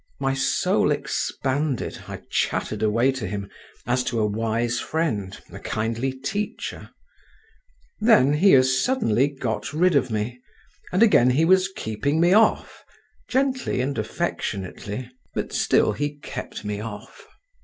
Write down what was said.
My soul expanded, I chattered away to him, as to a wise friend, a kindly teacher … then he as suddenly got rid of me, and again he was keeping me off, gently and affectionately, but still he kept me off.